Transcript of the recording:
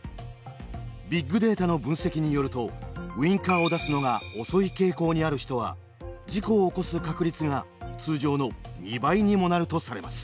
ビッグデータの分析によるとウインカーを出すのが遅い傾向にある人は事故を起こす確率が通常の２倍にもなるとされます。